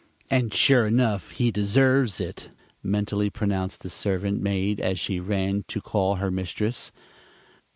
"And sure enough he deserves it," mentally pronounced the servant maid as she ran to call her mistress.